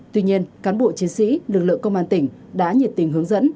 tuy nhiên cán bộ chiến sĩ lực lượng công an tỉnh đã nhiệt tình hướng dẫn